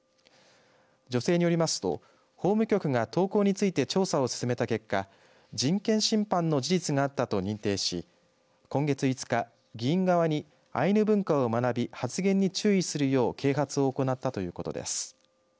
女性によりますと、法務局が投稿について調査を進めた結果人権侵犯の事実があったと認定し今月５日、議員側にアイヌ文化を学び発言に注意するよう啓発を行ったということです。